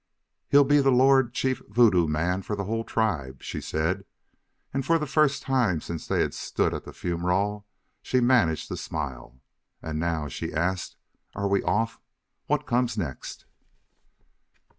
"He'll be the Lord Chief Voodoo Man for the whole tribe," she said, and, for the first time since they had stood at the fumerole, she managed to smile. "And now," she asked, "are we off? What comes next?"